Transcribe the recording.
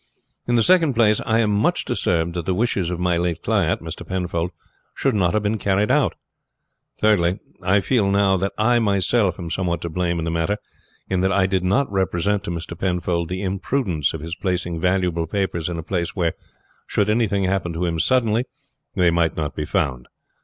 In the second place, I am much disturbed that the wishes of my late client, Mr. Penfold, should not have been carried out. Thirdly, I feel now that I myself am somewhat to blame in the matter, in that I did not represent to Mr. Penfold the imprudence of his placing valuable papers in a place where, should anything happen to him suddenly, they might not be found.